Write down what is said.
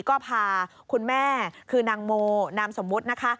ก็พาคุณแม่คือนางโมนามสมมุตินะคะ